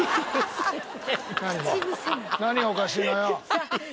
何がおかしいのよ？